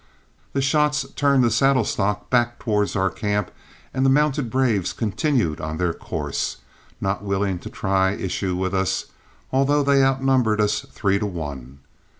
The shots turned the saddle stock back towards our camp and the mounted braves continued on their course, not willing to try issues with us, although they outnumbered us three to one.